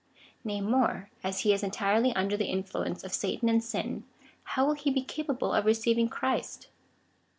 Nay more, as he is entirely imder the influence of Satan and sin, how will he be capable of receiving Christ